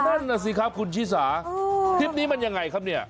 นั่นน่ะสิครับคุณชิสาคลิปนี้มันยังไงครับเนี่ย